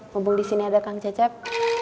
mumpung di sini ada kang cecep